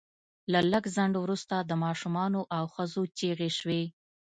له لږ ځنډ وروسته د ماشومانو او ښځو چیغې شوې